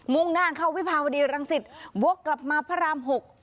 มุ่งหน้าเข้าวิพาณวดีรังศิษย์บวกกลับมาพระรามหก